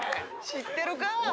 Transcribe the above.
知ってるか！